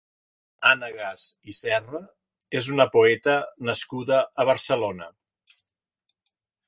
Anna Gas i Serra és una poeta nascuda a Barcelona.